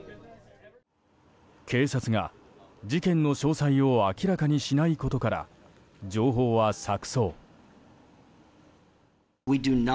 警察が、事件の詳細を明らかにしないことから情報は錯綜。